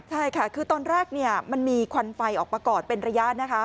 ใช่ค่ะคือตอนแรกมันมีควันไฟออกมากอดเป็นระยะนะคะ